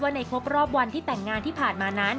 ในครบรอบวันที่แต่งงานที่ผ่านมานั้น